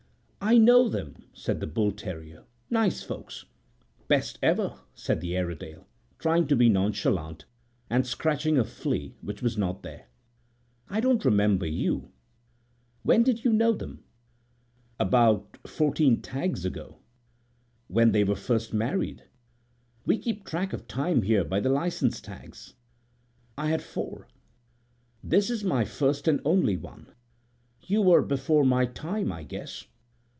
"I know them," said the bull terrier. "Nice folks." "Best ever," said the Airedale, trying to be nonchalant, and scratching a flea which was not there. "I don't remember you. When did you know them?" "About fourteen tags ago, when they were first married. We keep track of time here by the license tags. I had four." < 4 > "This is my first and only one. You were before my time, I guess."